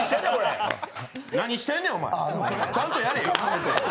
何してんねん、お前ちゃんとやれよ。